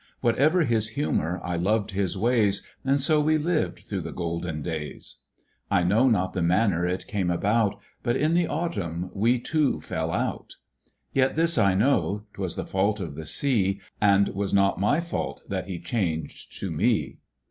Whatever his humour, I loved his ways, And so we lived through the golden days. I know not the manner it came about, But in the autumn we two fell out. Yet this I know 'twas the fault of the Sea, And was not my fault, that he changed to me.